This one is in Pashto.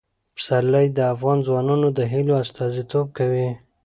پسرلی د افغان ځوانانو د هیلو استازیتوب کوي.